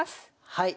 はい。